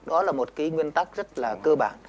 đó là một cái nguyên tắc rất là cơ bản